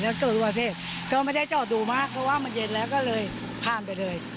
แล้วเกิดอุบัติเหตุก็ไม่ได้จอดดูมากเพราะว่ามันเย็นแล้วก็เลยผ่านไปเลย